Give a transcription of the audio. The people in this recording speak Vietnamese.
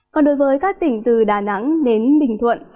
còn đối với các tỉnh từ đà nẵng đến bình thuận